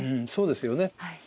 そうですよね。